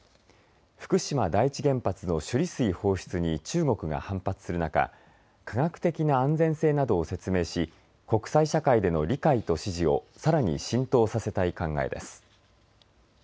福島第一原発の処理水放出に中国が反発する中科学的な安全性などを説明し国際社会での理解と支持をさらに浸透させたい考えです。